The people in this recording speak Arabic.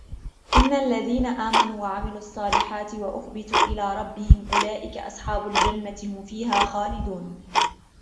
إن الذين آمنوا وعملوا الصالحات وأخبتوا إلى ربهم أولئك أصحاب الجنة هم فيها خالدون